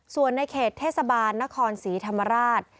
ส่วนในเขตเทศบาลนครศรีธรรมราช